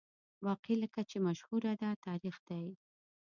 باقي لکه چې مشهوره ده، تاریخ دی.